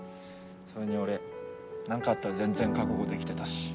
それに俺何かあったら全然覚悟できてたし。